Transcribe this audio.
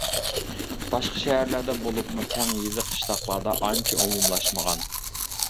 باشقا شەھەرلەردە بولۇپمۇ كەڭ يېزا-قىشلاقلاردا ئانچە ئومۇملاشمىغان.